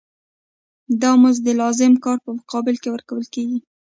دا مزد د لازم کار په مقابل کې ورکول کېږي